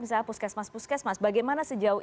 misalnya puskesmas puskesmas bagaimana sejauh ini